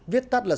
viết tắt là